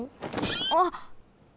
あっ。